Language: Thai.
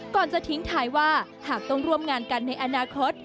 ก่อนจะทิ้งท้ายว่าหากต้องร่วมงานกันในอนาคต